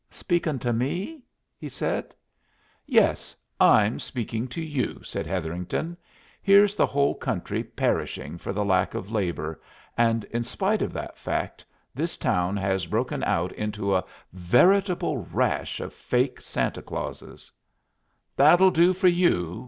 "Speakin' to me?" he said. "Yes. I'm speaking to you," said Hetherington. "Here's the whole country perishing for the lack of labor, and in spite of that fact this town has broken out into a veritable rash of fake Santa Clauses " "That'll do for you!"